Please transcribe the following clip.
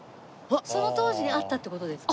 その当時にあったって事ですか？